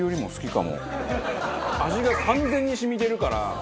味が完全に染みてるから。